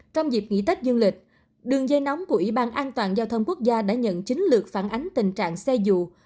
trong dịp nghỉ tết dương lịch đường dây nóng của ủy ban an toàn giao thông quốc gia đã nhận chín lượt phản ánh tình trạng xe dù